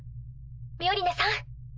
ミオリネさん。